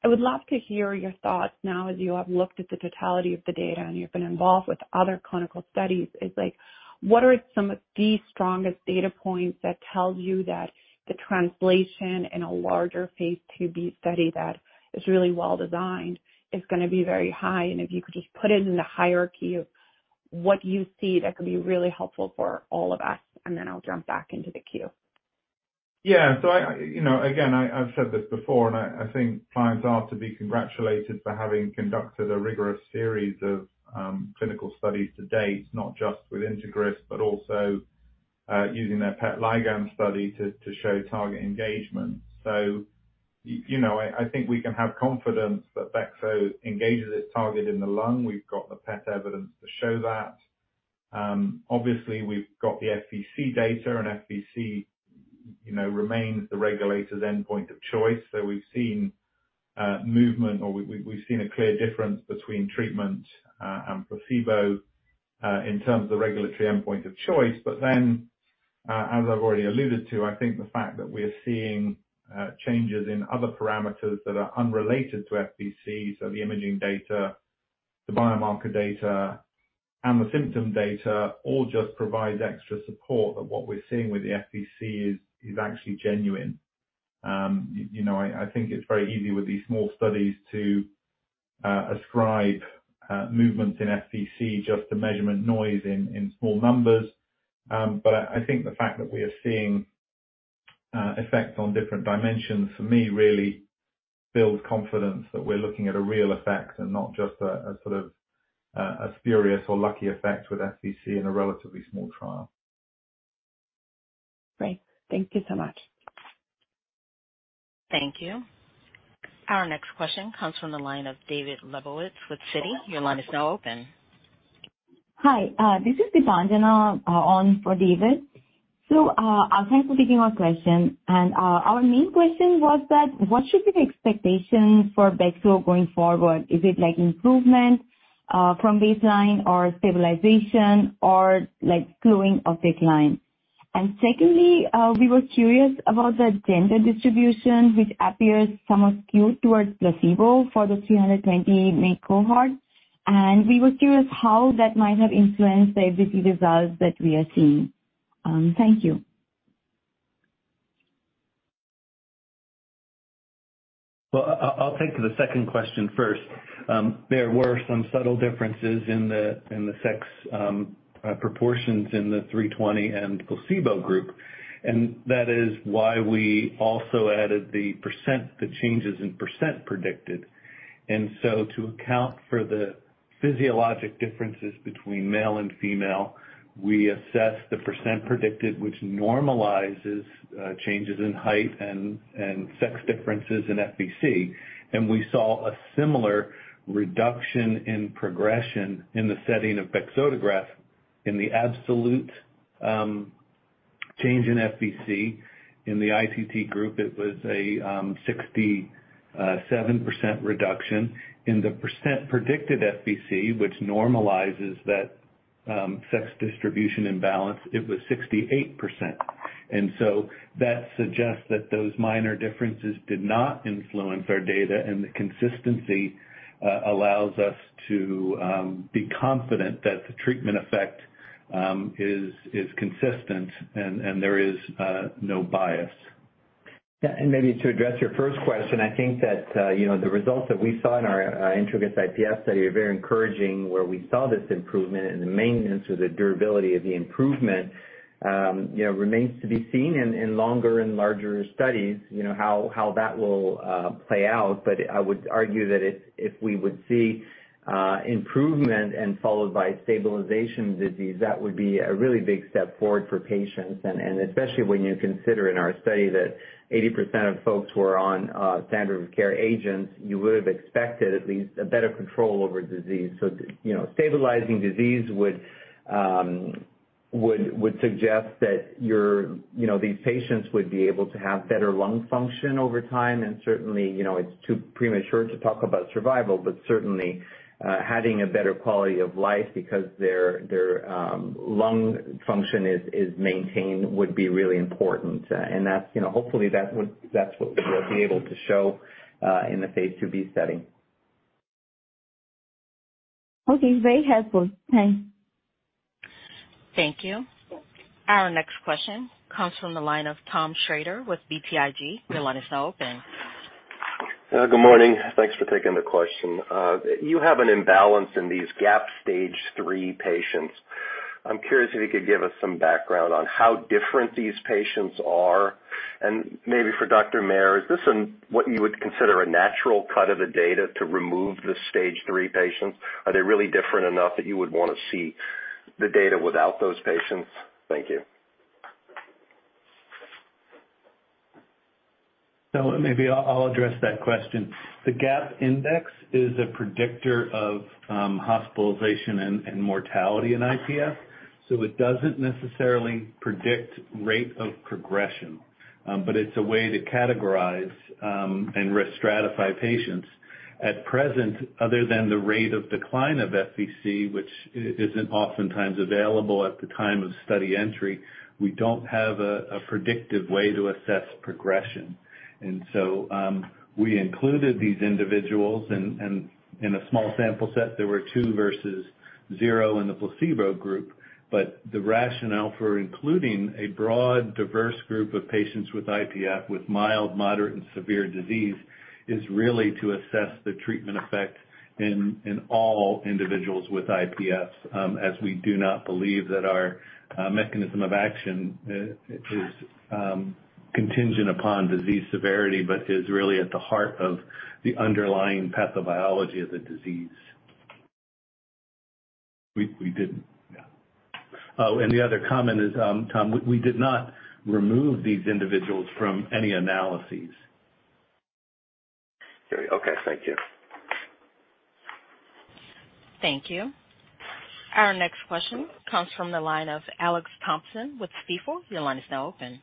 L: I would love to hear your thoughts now as you have looked at the totality of the data and you've been involved with other clinical studies is, like, what are some of the strongest data points that tells you that the translation in a larger phase 2b study that is really well designed is gonna be very high? If you could just put it in the hierarchy of what you see, that could be really helpful for all of us. Then I'll jump back into the queue.
F: Yeah. I you know, again, I've said this before, and I think Pliant are to be congratulated for having conducted a rigorous series of clinical studies to date, not just with INTEGRIS, but also using their PET ligand study to show target engagement. You know, I think we can have confidence that Bexo engages its target in the lung. We've got the PET evidence to show that. Obviously we've got the FVC data and FVC, you know, remains the regulator's endpoint of choice. We've seen movement or we've seen a clear difference between treatment and placebo in terms of the regulatory endpoint of choice. As I've already alluded to, I think the fact that we are seeing changes in other parameters that are unrelated to FVC, so the imaging data, the biomarker data, and the symptom data all just provides extra support that what we're seeing with the FVC is actually genuine. You know, I think it's very easy with these small studies to ascribe movements in FVC just to measurement noise in small numbers. I think the fact that we are seeing effects on different dimensions for me really builds confidence that we're looking at a real effect and not just a sort of a spurious or lucky effect with FVC in a relatively small trial.
B: Great. Thank you so much.
A: Thank you. Our next question comes from the line of David Lebowitz with Citi. Your line is now open.
M: Hi, this is Deepanjana, on for David. Thanks for taking our question. Our main question was that what should be the expectation for Bexo going forward? Is it like improvement from baseline or stabilization or like slowing of decline? Secondly, we were curious about the gender distribution, which appears somewhat skewed towards placebo for the 320 main cohort. We were curious how that might have influenced the FVC results that we are seeing. Thank you.
E: Well, I'll take the second question first. There were some subtle differences in the sex proportions in the 320 and placebo group, and that is why we also added the percent, the changes in percent predicted. To account for the physiologic differences between male and female, we assessed the percent predicted, which normalizes changes in height and sex differences in FVC. We saw a similar reduction in progression in the setting of Bexotegrast. In the absolute change in FVC in the ITT group, it was a 67% reduction. In the percent predicted FVC, which normalizes that sex distribution imbalance, it was 68%. That suggests that those minor differences did not influence our data, and the consistency allows us to be confident that the treatment effect is consistent and there is no bias.
D: Yeah. Maybe to address your first question, I think that, you know, the results that we saw in our INTEGRIS-IPF study are very encouraging, where we saw this improvement and the maintenance or the durability of the improvement, you know, remains to be seen in longer and larger studies, you know, how that will play out. I would argue that if we would see improvement and followed by stabilization disease, that would be a really big step forward for patients. Especially when you consider in our study that 80% of folks who are on standard of care agents, you would've expected at least a better control over disease. You know, stabilizing disease would suggest that your, you know, these patients would be able to have better lung function over time. Certainly, you know, it's too premature to talk about survival, but certainly, having a better quality of life because their lung function is maintained would be really important. That's, you know, hopefully that's what we will be able to show in the phase 2b setting.
M: Okay. Very helpful. Thanks.
A: Thank you. Our next question comes from the line of Tom Shrader with BTIG. Your line is now open.
F: Good morning. Thanks for taking the question. You have an imbalance in these GAP stage 3 patients. I'm curious if you could give us some background on how different these patients are. Maybe for Dr. Maher, is this an, what you would consider a natural cut of the data to remove the stage 3 patients? Are they really different enough that you would wanna see the data without those patients? Thank you.
E: Maybe I'll address that question. The GAP index is a predictor of hospitalization and mortality in IPF. It doesn't necessarily predict rate of progression, but it's a way to categorize and risk stratify patients. At present, other than the rate of decline of FVC, which isn't oftentimes available at the time of study entry, we don't have a predictive way to assess progression. We included these individuals and in a small sample set, there were two versus zero in the placebo group. The rationale for including a broad, diverse group of patients with IPF, with mild, moderate, and severe disease, is really to assess the treatment effect in all individuals with IPF, as we do not believe that our mechanism of action is contingent upon disease severity, but is really at the heart of the underlying pathobiology of the disease.
D: We didn't. Yeah. The other comment is, Tom, we did not remove these individuals from any analyses.
N: Okay, thank you.
A: Thank you. Our next question comes from the line of Alex Thompson with Stifel. Your line is now open.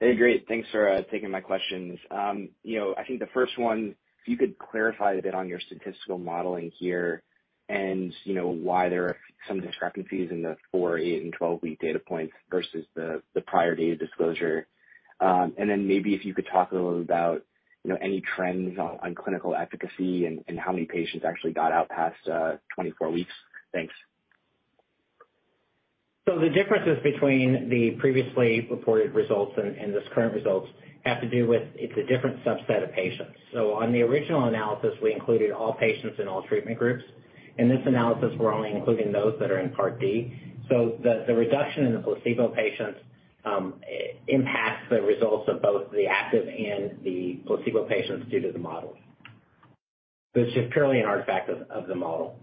O: Hey, great. Thanks for taking my questions. you know, I think the first one, if you could clarify a bit on your statistical modeling here and you know why there are some discrepancies in the 4, 8, and 12-week data points versus the prior data disclosure. Maybe if you could talk a little about, you know, any trends on clinical efficacy and how many patients actually got out past 24 weeks. Thanks.
P: The differences between the previously reported results and this current results have to do with it's a different subset of patients. On the original analysis, we included all patients in all treatment groups. In this analysis, we're only including those that are in part D. The reduction in the placebo patients impacts the results of both the active and the placebo patients due to the models. It's just purely an artifact of the model.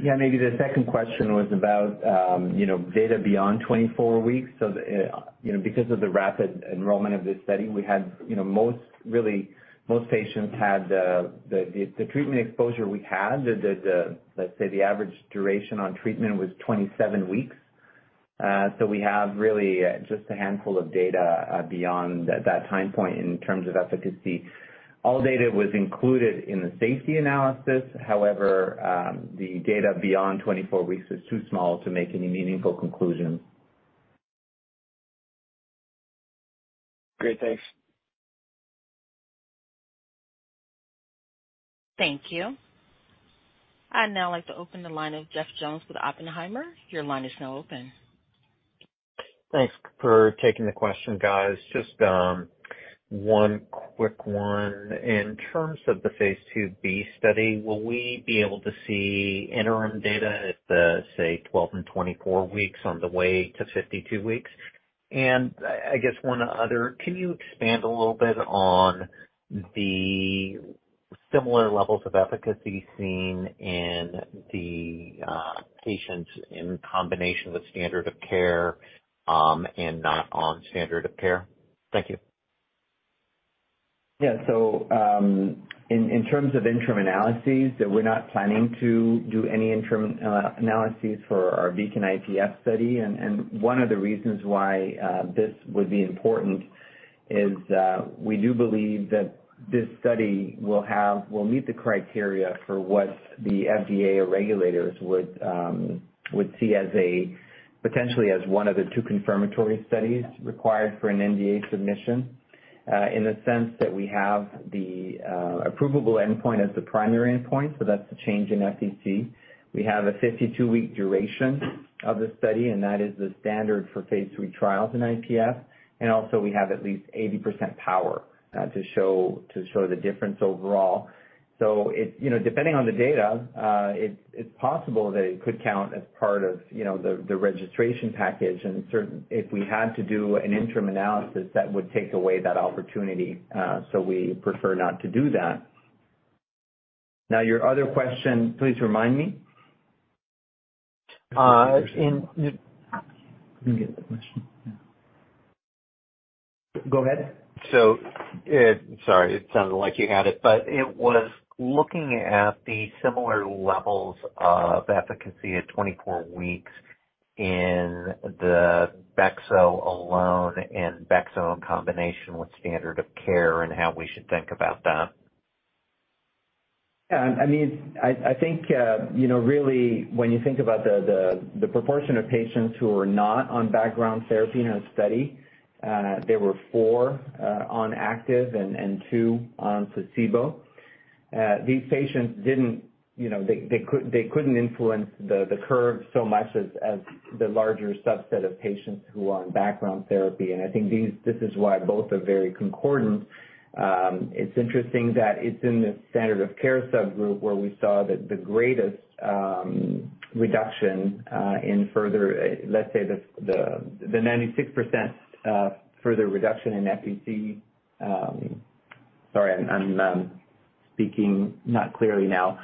D: Yeah, maybe the second question was about, you know, data beyond 24 weeks. You know, because of the rapid enrollment of this study, most patients had the treatment exposure we had, the average duration on treatment was 27 weeks. We have really just a handful of data beyond that time point in terms of efficacy. All data was included in the safety analysis. The data beyond 24 weeks is too small to make any meaningful conclusions.
O: Great. Thanks.
A: Thank you. I'd now like to open the line of Jeff Jones with Oppenheimer. Your line is now open.
Q: Thanks for taking the question, guys. Just 1 quick one. In terms of the phase 2b study, will we be able to see interim data at the, say, 12 and 24 weeks on the way to 52 weeks? I guess 1 other, can you expand a little bit on the similar levels of efficacy seen in the patients in combination with standard of care and not on standard of care? Thank you.
D: In terms of interim analyses, we're not planning to do any interim analyses for our BEACON-IPF study. One of the reasons why this would be important is we do believe that this study will meet the criteria for what the FDA or regulators would see as a potentially as one of the two confirmatory studies required for an NDA submission. In the sense that we have the approvable endpoint as the primary endpoint, so that's the change in FVC. We have a 52-week duration of the study, and that is the standard for phase 3 trials in IPF. Also, we have at least 80% power to show the difference overall. It, you know, depending on the data, it's possible that it could count as part of, you know, the registration package. If we had to do an interim analysis, that would take away that opportunity, so we prefer not to do that. Your other question, please remind me.
P: Let me get the question. Yeah.
D: Go ahead.
Q: Sorry, it sounded like you had it, but it was looking at the similar levels of efficacy at 24 weeks in the Bexo alone and Bexo in combination with standard of care and how we should think about that.
D: Yeah. I mean, I think, you know, really when you think about the proportion of patients who are not on background therapy in our study, there were 4 on active and 2 on placebo. These patients didn't, you know, they couldn't influence the curve so much as the larger subset of patients who are on background therapy. I think this is why both are very concordant. It's interesting that it's in the standard of care subgroup where we saw the greatest reduction in further, let's say, the 96% further reduction in FVC. Sorry, I'm speaking not clearly now.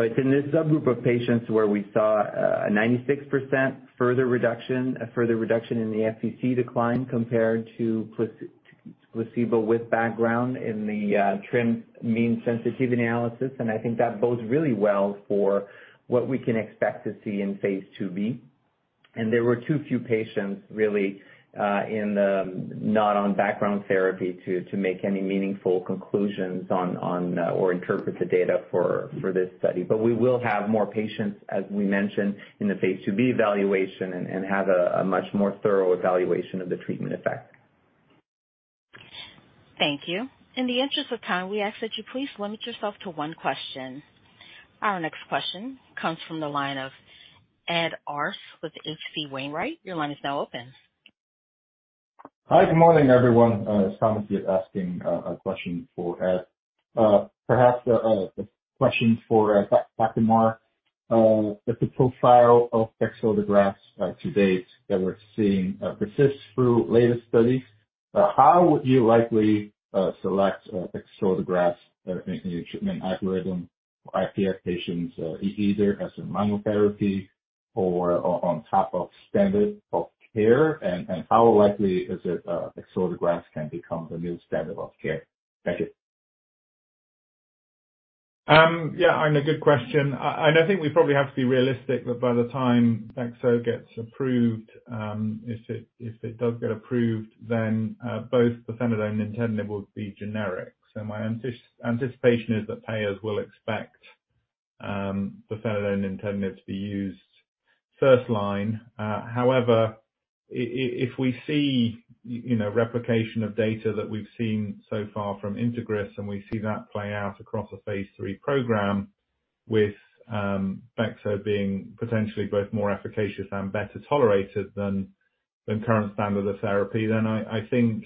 D: It's in this subgroup of patients where we saw a 96% further reduction, a further reduction in the FVC decline compared to placebo with background in the trimmed mean sensitivity analysis. I think that bodes really well for what we can expect to see in phase 2b. There were too few patients really in the not on background therapy to make any meaningful conclusions on or interpret the data for this study. We will have more patients, as we mentioned, in the phase 2b evaluation and have a much more thorough evaluation of the treatment effect.
A: Thank you. In the interest of time, we ask that you please limit yourself to one question. Our next question comes from the line of Ed Arce with H.C. Wainwright. Your line is now open.
N: Hi, good morning, everyone. Thomas here asking a question for Ed. Perhaps, a question for Dr. Marr.
R: With the profile of Bexotegrast, to date that we're seeing, persist through latest studies, how would you likely select Bexotegrast in your treatment algorithm for IPF patients, either as a monotherapy or on top of standard of care? How likely is it Bexotegrast can become the new standard of care? Thank you.
F: yeah, and, good question. And I think we probably have to be realistic that by the time Bexo gets approved, if it does get approved, then both pirfenidone and nintedanib will be generic. My anticipation is that payers will expect pirfenidone and nintedanib to be used first line. However, if we see, you know, replication of data that we've seen so far from INTEGRIS, and we see that play out across a phase 3 program with Bexo being potentially both more efficacious and better tolerated than current standard of therapy, then I think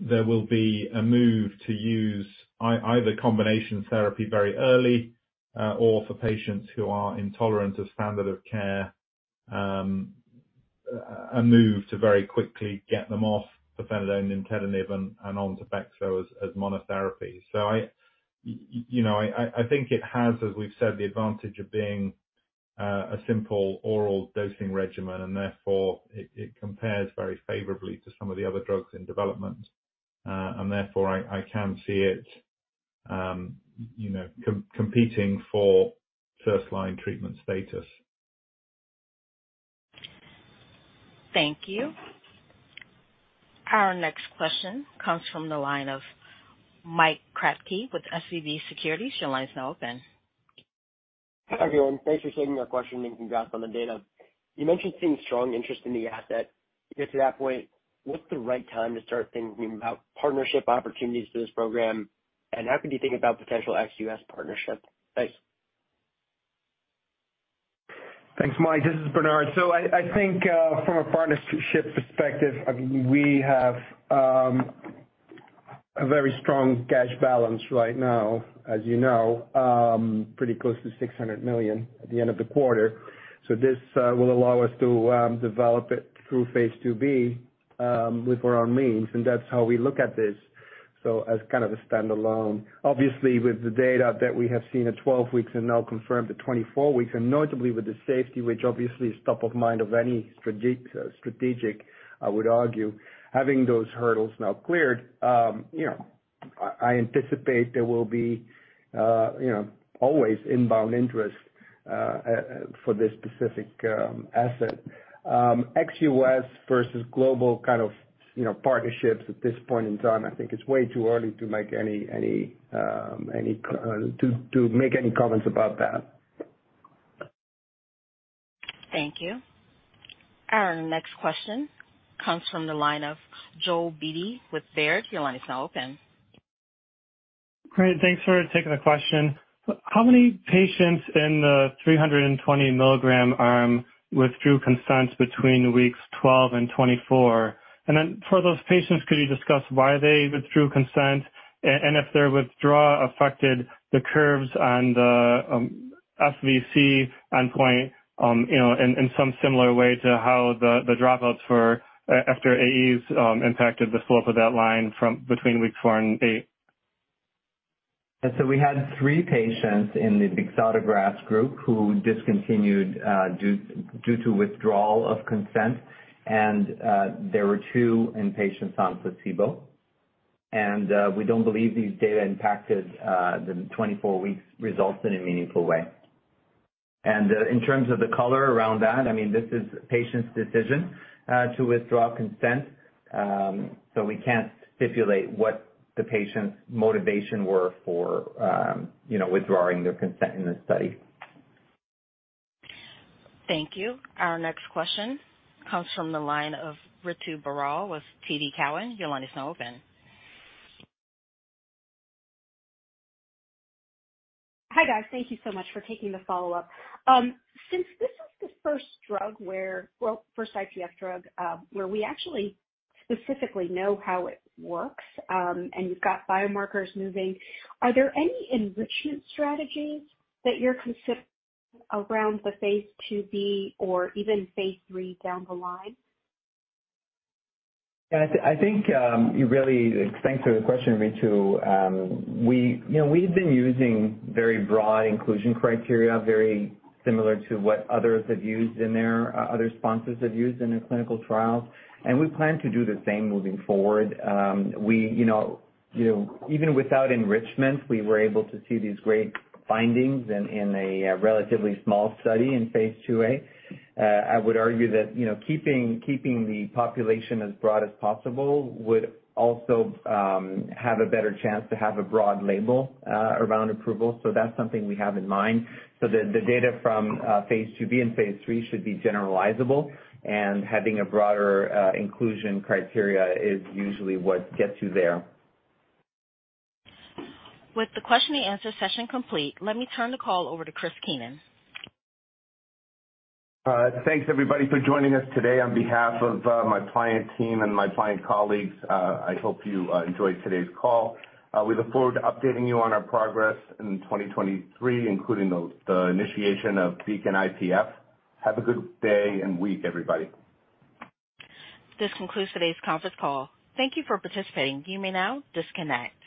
F: there will be a move to use either combination therapy very early, or for patients who are intolerant of standard of care, a move to very quickly get them off pirfenidone and nintedanib and onto Bexo as monotherapy. You know, I think it has, as we've said, the advantage of being a simple oral dosing regimen, it compares very favorably to some of the other drugs in development. I can see it, you know, competing for first line treatment status.
A: Thank you. Our next question comes from the line of Mike Kratky with SVB Securities. Your line is now open.
S: Hi, everyone. Thanks for taking our question and congrats on the data. You mentioned seeing strong interest in the asset. To get to that point, what's the right time to start thinking about partnership opportunities for this program? How can you think about potential ex-US partnership? Thanks.
F: Thanks, Mike. This is Bernard. I think, from a partnership perspective, I mean, we have a very strong cash balance right now. As you know, pretty close to $600 million at the end of the quarter. This will allow us to develop it through phase 2b with our own means. That's how we look at this, so as kind of a standalone. Obviously, with the data that we have seen at 12 weeks and now confirmed at 24 weeks, and notably with the safety, which obviously is top of mind of any strategic, I would argue. Having those hurdles now cleared, you know, I anticipate there will be, you know, always inbound interest for this specific asset. ex-US versus global kind of, you know, partnerships at this point in time, I think it's way too early to make any comments about that.
A: Thank you. Our next question comes from the line of Joel Beatty with Baird. Your line is now open.
T: Great. Thanks for taking the question. How many patients in the 320 mg arm withdrew consent between weeks 12 and 24? For those patients, could you discuss why they withdrew consent and if their withdrawal affected the curves on the FVC endpoint, you know, in some similar way to how the dropouts for after AEs impacted the slope of that line from between weeks 4 and 8?
D: We had 3 patients in the Bexotegrast group who discontinued due to withdrawal of consent. There were 2 inpatients on placebo. We don't believe these data impacted the 24 weeks results in a meaningful way. In terms of the color around that, I mean, this is patient's decision to withdraw consent. We can't stipulate what the patient's motivation were for, you know, withdrawing their consent in the study.
A: Thank you. Our next question comes from the line of Ritu Baral with TD Cowen. Your line is now open.
H: Hi, guys. Thank you so much for taking the follow-up. Since this is the first drug well, first IPF drug, where we actually specifically know how it works, and you've got biomarkers moving, are there any enrichment strategies that you're considering around the phase 2b or even phase 3 down the line?
D: Yeah, I think. Thanks for the question, Ritu. We, you know, we've been using very broad inclusion criteria, very similar to what others have used in their, other sponsors have used in their clinical trials. We plan to do the same moving forward. We, you know, even without enrichment, we were able to see these great findings in a relatively small study in phase 2a. I would argue that, you know, keeping the population as broad as possible would also have a better chance to have a broad label around approval. That's something we have in mind. The data from phase 2b and phase 3 should be generalizable, and having a broader inclusion criteria is usually what gets you there.
A: With the question and answer session complete, let me turn the call over to Chris Keenan.
F: Thanks everybody for joining us today. On behalf of my client team and my client colleagues, I hope you enjoyed today's call. We look forward to updating you on our progress in 2023, including the initiation of BEACON-IPF. Have a good day and week, everybody.
A: This concludes today's conference call. Thank Thank you for participating. You may now disconnect.